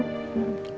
terima kasih banyak